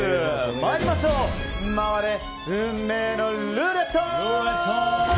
参りましょう回れ、運命のルーレット！